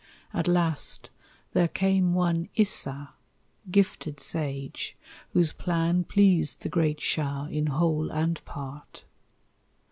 At last there came one Issa, gifted sage, Whose plan pleased the great shah in whole and part.